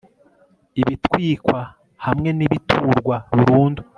ibitwikwa hamwe n'ibiturwa burundu